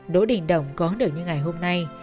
đỗ đình đồng có được như ngày hôm nay